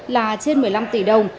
là trên một mươi năm tỷ đồng